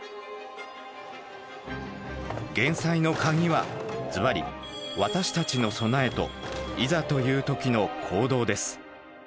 減災の鍵はずばり「私たちの備え」と「いざという時の行動」です。